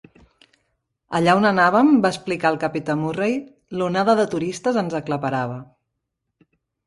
"Allà on anàvem," va explicar el capità Murray, "l'onada de turistes ens aclaparava".